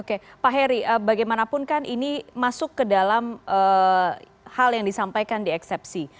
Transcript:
oke pak heri bagaimanapun kan ini masuk ke dalam hal yang disampaikan di eksepsi